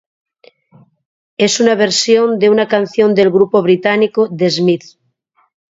Es una versión de una canción del grupo británico The Smiths.